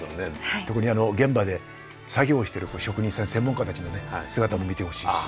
特にあの現場で作業してる職人さん専門家たちの姿も見てほしいです。